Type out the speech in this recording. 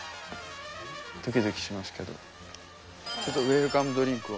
ドキドキしますけどちょっとウエルカムドリンクを。